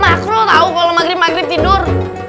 makro tahu kalau maghrib maghrib tidur